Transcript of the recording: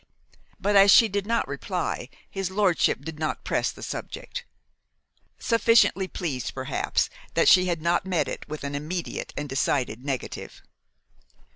But as she did not reply, his lordship did not press the subject; sufficiently pleased, perhaps, that she had not met it with an immediate and decided negative.